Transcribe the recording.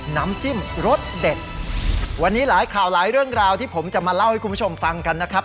น้ำจิ้มรสเด็ดวันนี้หลายข่าวหลายเรื่องราวที่ผมจะมาเล่าให้คุณผู้ชมฟังกันนะครับ